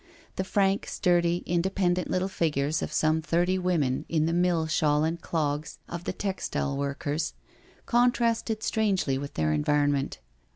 The frank, sturdy, independent little figures of some thirty women in the mill shawl and clogs of the textile workers, contrasted strangely with their environment.